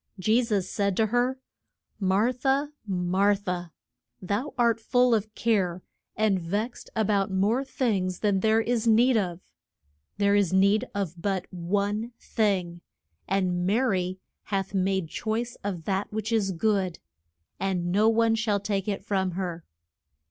Je sus said to her, Mar tha, Mar tha, thou art full of care and vexed a bout more things than there is need of. There is need of but one thing, and Ma ry hath made choice of that which is good, and no one shall take it from her.